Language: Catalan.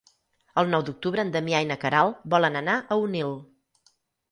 El nou d'octubre en Damià i na Queralt volen anar a Onil.